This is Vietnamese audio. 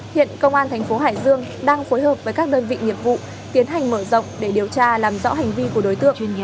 hiện công an thành phố hải dương đang phối hợp với các đơn vị nghiệp vụ tiến hành mở rộng để điều tra làm rõ hành vi của đối tượng